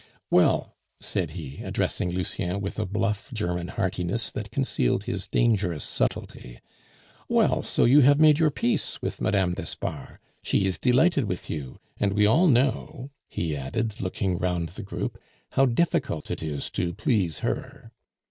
"Well," said he, addressing Lucien with a bluff German heartiness that concealed his dangerous subtlety; "well, so you have made your peace with Mme. d'Espard; she is delighted with you, and we all know," he added, looking round the group, "how difficult it is to please her."